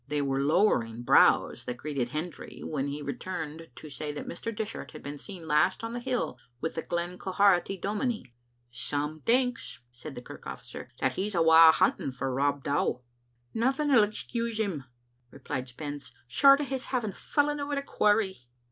They were lowering brows that greeted Hendry when he returned to say that Mr. Dishart had been seen last on the hill with the Glen Quharity dominie. "Some thinks," said the kirk officer, "that he's awa hunting for Rob Dow." "Nothing'U excuse him," replied Spens, "short o* his having fallen over the quarry."